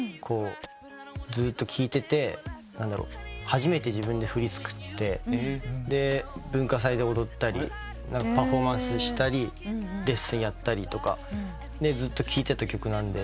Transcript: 初めて自分で振り作って文化祭で踊ったりパフォーマンスしたりレッスンやったりとかずっと聴いてた曲なんで。